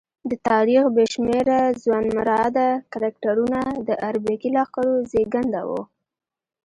د تاریخ بې شمېره ځوانمراده کرکټرونه د اربکي لښکرو زېږنده وو.